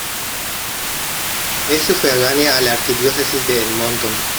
Es sufragánea a la Arquidiócesis de Edmonton.